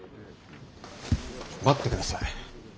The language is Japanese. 待ってください。